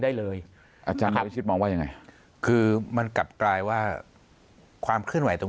ได้เลยอาจารย์วิชิตมองว่ายังไงคือมันกลับกลายว่าความเคลื่อนไหวตรง